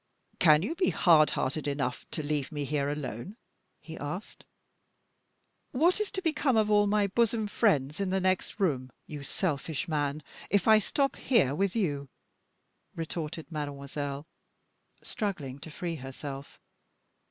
"Can you be hard hearted enough to leave me here alone?" he asked. "What is to become of all my bosom friends in the next room, you selfish man, if I stop here with you?" retorted mademoiselle, struggling to free herself.